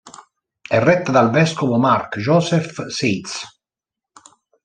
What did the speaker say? È retta dal vescovo Mark Joseph Seitz.